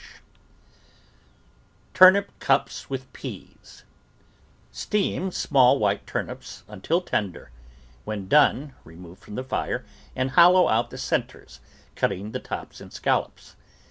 THE VEGETABLE GARDEN TURNIP CUPS WITH PEAS Steam small white turnips until tender. When done, remove from the fire and hollow out the cen tres, cutting the tops in scallops.